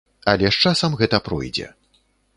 Але з часам гэта пройдзе.